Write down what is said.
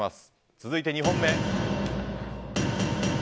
続いて２本目。